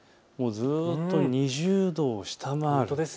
ずっと２０度を下回る。